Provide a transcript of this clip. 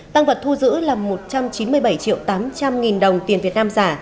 tăng vật thu giữ là một trăm chín mươi bảy triệu tám trăm linh nghìn đồng tiền việt nam giả